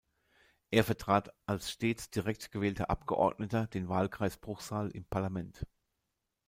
Er vertrat als stets direkt gewählter Abgeordneter den Wahlkreis Bruchsal im Parlament.